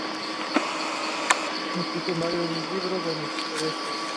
Existen varios libros donde sucede esto.